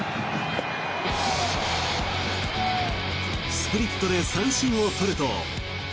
スプリットで三振を取ると。